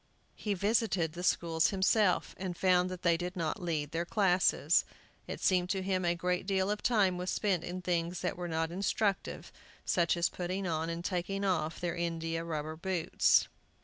He visited the schools himself, and found that they did not lead their classes. It seemed to him a great deal of time was spent in things that were not instructive, such as putting on and taking off their india rubber boots.